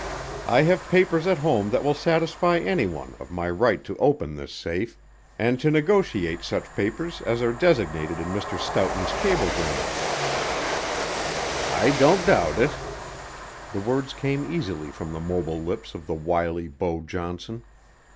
I have papers at home that will satisfy any one of my right to open this safe and to negotiate such papers as are designated in Mr. Stoughton's cablegrams." "I don't doubt it." The words came easily from the mobile lips of the wily Beau Johnson.